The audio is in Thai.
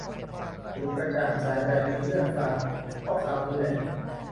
ผิวกระจ่างใสแบบมีเลือดฝาดก็คราวนี้แหละ